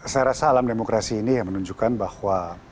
saya rasa alam demokrasi ini ya menunjukkan bahwa